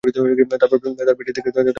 তারপর তার পিঠের দিকে তাকাতে তাকাতে ঘুরে এলাম।